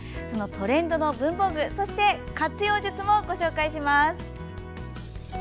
そのトレンドの文房具そして活用術もご紹介します。